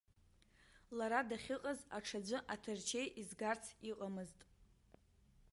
Лара дахьыҟаз аҽаӡәы аҭарчеи изгарц иҟамызт.